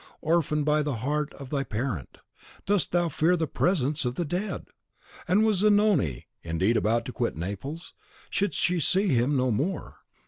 Orphan, by the hearth of thy parent, dost thou fear the presence of the dead! And was Zanoni indeed about to quit Naples? Should she see him no more?